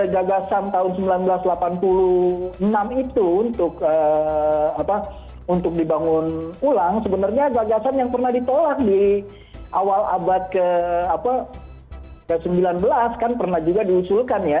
gagasan tahun seribu sembilan ratus delapan puluh enam itu untuk dibangun ulang sebenarnya gagasan yang pernah ditolak di awal abad ke sembilan belas kan pernah juga diusulkan ya